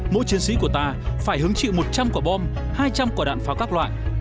mỗi chiến sĩ của ta phải hứng chịu một trăm linh quả bom hai trăm linh quả đạn pháo các loại